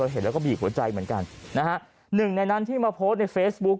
เห็นแล้วก็บีบหัวใจเหมือนกันนะฮะหนึ่งในนั้นที่มาโพสต์ในเฟซบุ๊ค